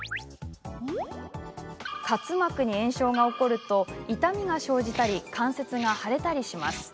滑膜に炎症が起こると痛みが生じたり関節が腫れたりします。